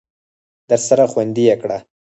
درسره خوندي یې کړه !